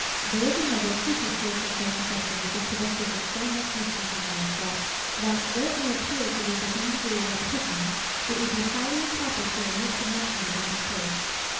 There is another frequent source of self deception, which is productive of so much mischief in life, that, though it may appear to lead to some degree of repetition, it would be highly improper to omit the mention of it in this place.